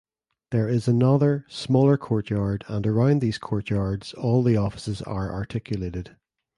There is another smaller courtyard and around these courtyards all the offices are articulated.